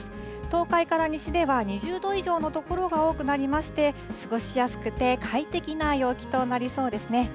東海から西では２０度以上の所が多くなりまして、過ごしやすくて快適な陽気となりそうですね。